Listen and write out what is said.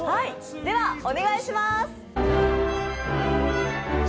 では、お願いします！